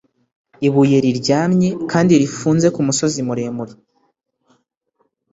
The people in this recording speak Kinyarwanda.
ibuye riryamye kandi rifunze kumusozi muremure.